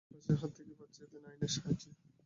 তিনি ফাঁসির হাত থেকে বাঁচিয়ে দেন আইনের সাহায্যে।